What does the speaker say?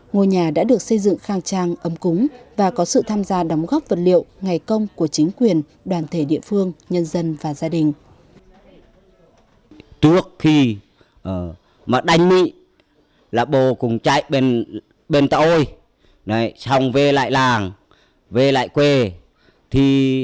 ngôi nhà đã được xây dựng khang trang ấm cúng và có sự tham gia đóng góp vật liệu ngày công của chính quyền đoàn thể địa phương nhân dân và gia đình